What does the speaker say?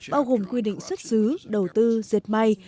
bao gồm quy định xuất xứ đầu tư diệt may